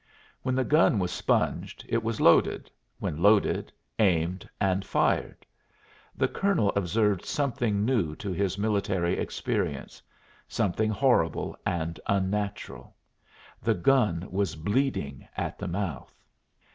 When the gun was sponged, it was loaded; when loaded, aimed and fired. The colonel observed something new to his military experience something horrible and unnatural: the gun was bleeding at the mouth!